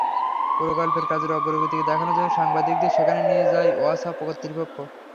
প্রকল্পের কাজের অগ্রগতি দেখানোর জন্য সাংবাদিকদের সেখানে নিয়ে যায় ওয়াসা কর্তৃপক্ষ।